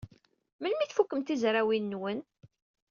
Melmi ay tfukem tizrawin-nwen?